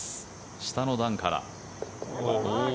下の段から。